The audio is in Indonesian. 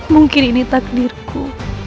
mungkin ini takdirku